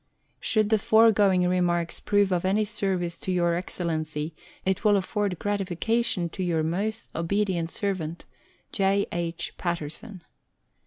Should the foregoing remarks prove of any service to Your Excellency, it will afford gratification to Your most obedient servant, J. II. PATTERSON.